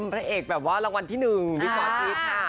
พระเอกแบบว่ารางวัลที่๑พี่ขอจริง